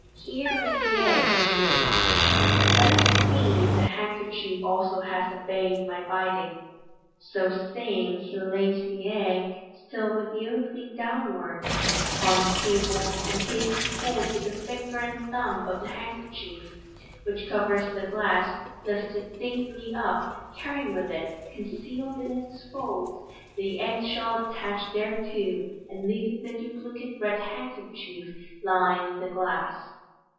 " Here is the egg,'' he remarks ;" let us see if the hand kerchief also has obeyed my bidding." So saying, he lays the egg, still with the opening downwards, upon the table, and taking hold with the finger and thumb of the handkerchief which covers the glass, lifts it daintily up, carrying with it, concealed in its folds, the Fig. 114. 26a MODERN MA GIC egg shell attached thereto, and leaving the duplicate red handkerchief lying in the glass.